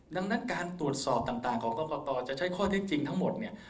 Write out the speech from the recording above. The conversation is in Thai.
ดังนั้นการตรวจสอบต่างของกรกตจะใช้ข้อเท็จจริงทั้งหมดเนี่ย